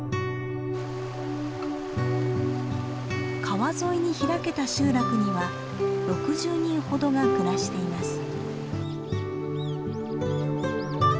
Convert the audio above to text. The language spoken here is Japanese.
川沿いに開けた集落には６０人ほどが暮らしています。